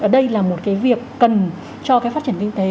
đây là một cái việc cần cho cái phát triển kinh tế